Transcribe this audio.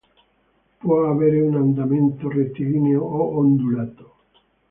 Può avere un andamento rettilineo o ondulato.